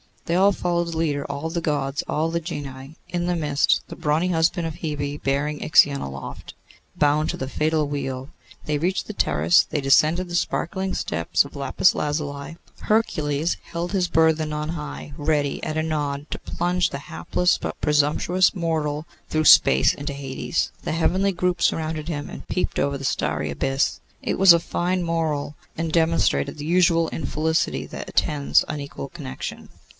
They all followed the leader, all the Gods, all the genii; in the midst, the brawny husband of Hebe bearing Ixion aloft, bound to the fatal wheel. They reached the terrace; they descended the sparkling steps of lapis lazuli. Hercules held his burthen on high, ready, at a nod, to plunge the hapless but presumptuous mortal through space into Hades. The heavenly group surrounded him, and peeped over the starry abyss. It was a fine moral, and demonstrated the usual infelicity that attends unequal connection.